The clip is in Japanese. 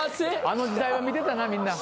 あの時代は見てたなみんな。